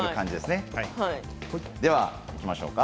ではいきましょうか。